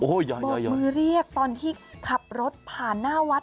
มือเรียกตอนที่ขับรถผ่านหน้าวัด